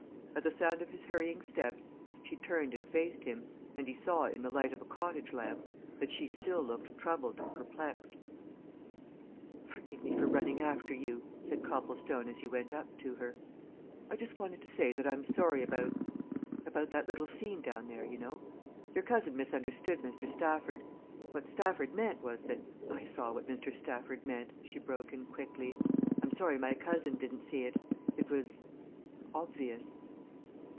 At the sound of his hurrying steps she turned and faced him, and he saw in the light of a cottage lamp that she still looked troubled and perplexed. "Forgive me for running after you," said Copplestone as he went up to her. "I just wanted to say that I'm sorry about about that little scene down there, you know. Your cousin misunderstood Mr. Stafford what Stafford meant was that " "I saw what Mr. Stafford meant," she broke in quickly. "I'm sorry my cousin didn't see it. It was obvious."